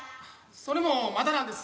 それもまだなんです。